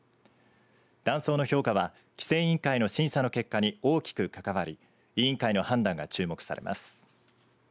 断層の評価は規制委員会の審査の結果に大きく関わり委員会の判断が注目されます。